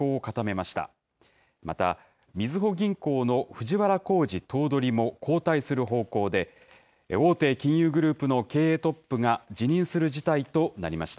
また、みずほ銀行の藤原弘治頭取も交代する方向で、大手金融グループの経営トップが辞任する事態となりました。